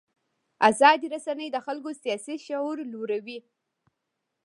ازادې رسنۍ د خلکو سیاسي شعور لوړوي.